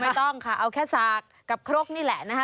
ไม่ต้องค่ะเอาแค่สากกับครกนี่แหละนะคะ